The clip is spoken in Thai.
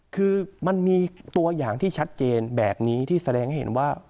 คือมันมีตัวอย่างที่ชัดเจนแบบนี้ที่แสดงให้เห็นว่า